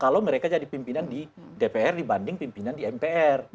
kalau mereka jadi pimpinan di dpr dibanding pimpinan di mpr